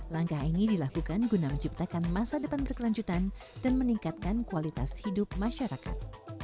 langkah ini dilakukan guna menciptakan masa depan berkelanjutan dan meningkatkan kualitas hidup masyarakat